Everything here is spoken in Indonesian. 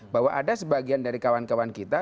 bahwa ada sebagian dari kawan kawan kita